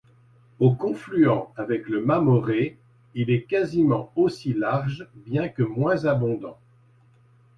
Au confluent avec le Mamoré, il est quasiment aussi large bien que moins abondant.